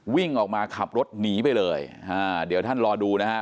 วิ่งออกมาขับรถหนีไปเลยอ่าเดี๋ยวท่านรอดูนะฮะ